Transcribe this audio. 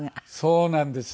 そうなんです。